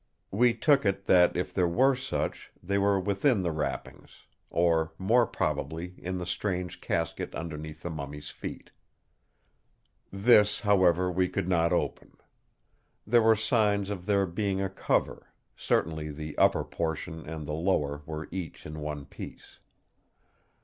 We took it that if there were such, they were within the wrappings; or more probably in the strange casket underneath the mummy's feet. This, however, we could not open. There were signs of there being a cover; certainly the upper portion and the lower were each in one piece.